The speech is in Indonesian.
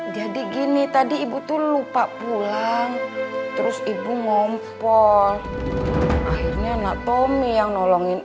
hai jadi gini tadi ibu tuh lupa pulang terus ibu ngompor akhirnya anak tommy yang nolongin